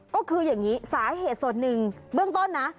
ก็คืออย่างนี้สาเหตุส่วนหนึ่งเบื้องต้นนะ